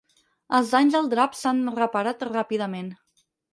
Els danys al drap s'han reparat ràpidament.